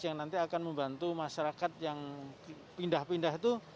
yang nanti akan membantu masyarakat yang pindah pindah itu